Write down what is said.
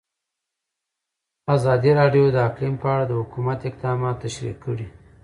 ازادي راډیو د اقلیم په اړه د حکومت اقدامات تشریح کړي.